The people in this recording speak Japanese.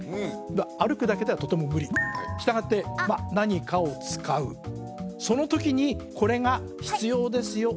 歩くだけではとても無理したがって何かを使うその時にこれが必要ですよということで